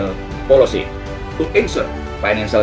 untuk menurunkan kemampuan sistem finansial